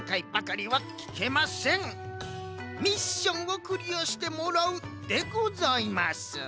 ミッションをクリアしてもらうでございます。